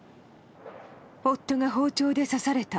夫が包丁で刺された。